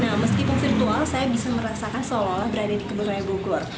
nah meskipun virtual saya bisa merasakan seolah olah berada di kebun raya bogor